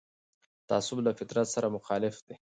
تعصب له فطرت سره مخالف دی